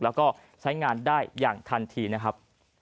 แล้วก็ใช้งานได้อย่างทันทีนะครับ